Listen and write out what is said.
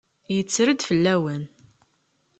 Yetter-d fell-awen.